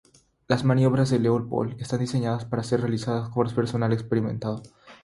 Las maniobras de Leopold están diseñadas para ser realizadas por personal experimentado.